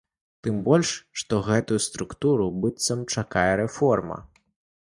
Тым больш, што гэтую структуру, быццам, чакае рэформа.